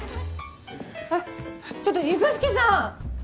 あちょっと指宿さん！